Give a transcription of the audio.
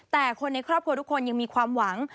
แต่คนในครอบครัวทุกคนยังมีความหวัง